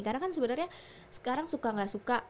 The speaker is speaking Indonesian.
karena kan sebenarnya sekarang suka gak suka